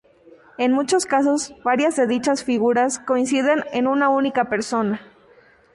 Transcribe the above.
En muchos casos, varias de dichas figuras coinciden en una única persona.